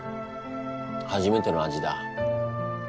初めての味だ。